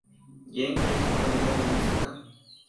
Jen creció rodeada de música.